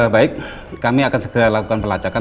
baik kami akan segera lakukan pelacakan